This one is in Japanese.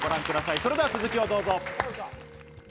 それでは続きをどうぞ。